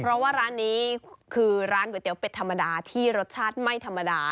เพราะว่าร้านนี้คือร้านก๋วยเตี๋เป็ดธรรมดาที่รสชาติไม่ธรรมดา